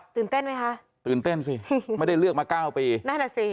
ตื่นเต้นไหมคะตื่นเต้นซิไม่ได้เลือกมา๙ปี